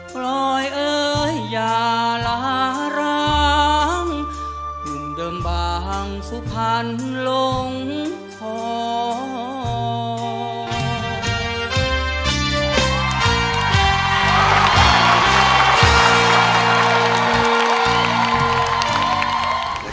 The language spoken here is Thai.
ปล่อยเอ้ยอย่าล้าร้างคุณเดิมบางสุขันต์ลงของ